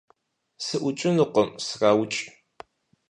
- СыӀукӀынукъым, сраукӀ!